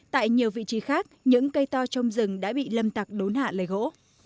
tại nhiều vị trí khác những cây to trong rừng đã bị lâm tặc đốn hạ lấy gỗ